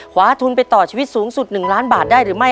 ขวาทุนไปต่อชีวิตสูงสุด๑ล้านบาทได้หรือไม่